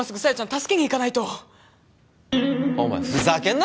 助けに行かないとお前ふざけんな